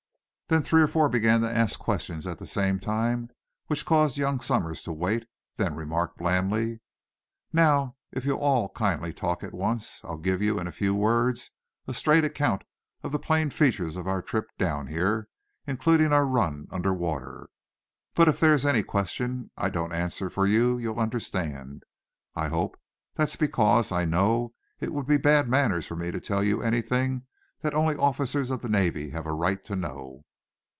Then three or four began to ask questions at the same time, which caused young Somers to wait, then remarked blandly: "Now, if you'll all kindly talk at once, I'll give you, in a few words, a straight account of the plain features of our trip down here, including our run under water. But, if there's any question I don't answer for you, you'll understand, I hope, that it's because I know it would be bad manners for me to tell you anything that only officers of the Navy have a right to know."